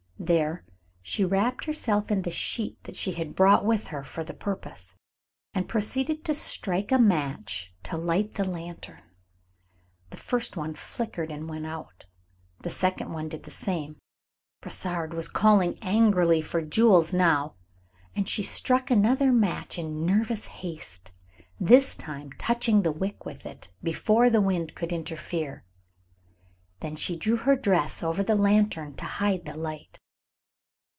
There she wrapped herself in the sheet that she had brought with her for the purpose, and proceeded to strike a match to light the lantern. The first one flickered and went out. The second did the same. Brossard was calling angrily for Jules now, and she struck another match in nervous haste, this time touching the wick with it before the wind could interfere. Then she drew her dress over the lantern to hide the light.